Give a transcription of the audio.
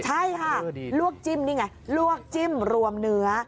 ใช่ค่ะลวกจิ้มนี่ไงลวกจิ้มรวมเนื้อ